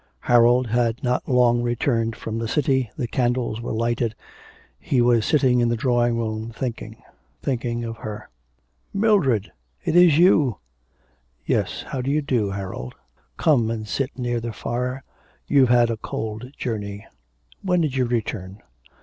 Harold had not long returned from the city, the candles were lighted. He was sitting in the drawing room thinking, thinking of her. 'Mildred! is that you?' 'Yes, how do you do, Harold?' 'Come and sit near the fire, you've had a cold journey. When did you return?'